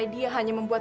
siapa yang buat